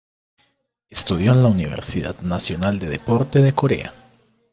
Estudió en la Universidad Nacional de Deporte de Corea.